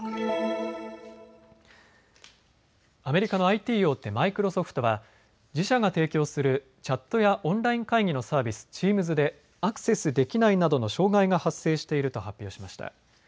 アメリカのＩＴ大手、マイクロソフトは自社が提供するチャットやオンライン会議のサービス、チームズでアクセスできないなどの障害が発生していると発表しました。